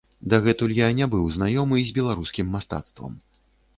Дагэтуль я не быў знаёмы з беларускім мастацтвам.